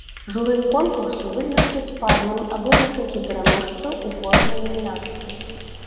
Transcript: Журы конкурсу вызначыць па адным або некалькі пераможцаў у кожнай намінацыі.